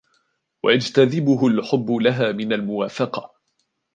وَيَجْتَذِبُهُ الْحُبُّ لَهَا مِنْ الْمُوَافَقَةِ